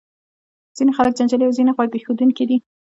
ځینې خلک جنجالي او ځینې غوږ ایښودونکي دي.